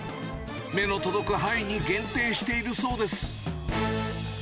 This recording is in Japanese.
目の届く範囲に限定しているそうです。